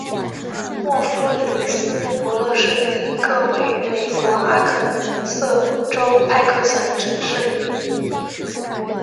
默弗里斯伯勒是一个位于美国阿肯色州派克县的城市。